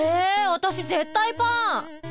私絶対パン。